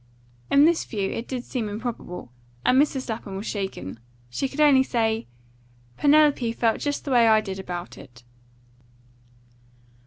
In this view it did seem improbable, and Mrs. Lapham was shaken. She could only say, "Penelope felt just the way I did about it."